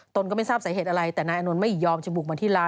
ก็ไม่ทราบสาเหตุอะไรแต่นายอานนท์ไม่ยอมจะบุกมาที่ร้าน